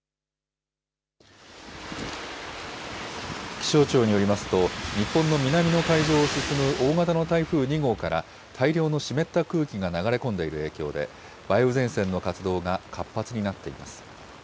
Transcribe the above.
気象庁によりますと、日本の南の海上を進む大型の台風２号から、大量の湿った空気が流れ込んでいる影響で、梅雨前線の活動が活発になっています。